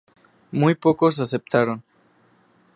Muy pocos aceptaron.